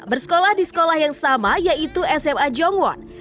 bersekolah di sekolah yang sama yaitu sma jongwon